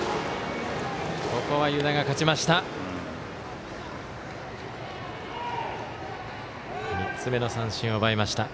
ここは湯田が勝ちました。